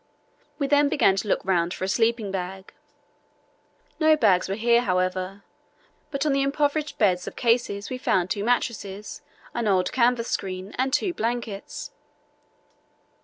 We then began to look round for a sleeping bag. No bags were here, however, but on the improvised beds of cases we found two mattresses, an old canvas screen, and two blankets.